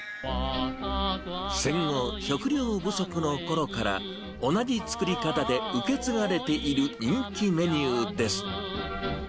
戦後、食料不足のころから同じ作り方で受け継がれている人気メニューです。